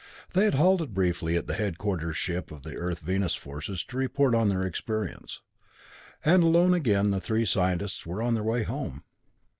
They had halted briefly at the headquarters ship of the Earth Venus forces to report on their experience; and alone again, the three scientists were on their way home.